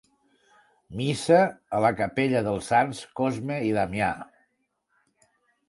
Missa a la capella dels sants Cosme i Damià.